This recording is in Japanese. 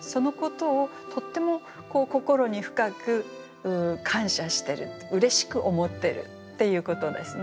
そのことをとても心に深く感謝してるうれしく思ってるっていうことですね。